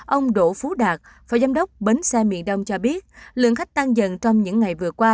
ông đỗ phú đạt phó giám đốc bến xe miền đông cho biết lượng khách tăng dần trong những ngày vừa qua